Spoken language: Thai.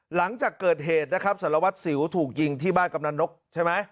หลังจากเกิดเหตุนะครับสารวัตรสิวถูกยิงที่บ้านกำนันนกใช่ไหม